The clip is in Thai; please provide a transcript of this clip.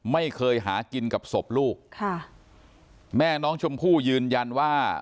ไม่เคยหากินกับศพลูกค่ะแม่น้องชมพู่ยืนยันว่า